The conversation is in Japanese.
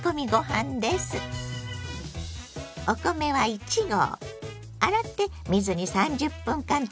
お米は１合。